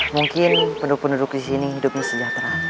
mungkin penduduk penduduk disini hidupnya sejahtera